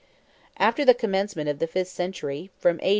After the commencement of the fifth century, from A.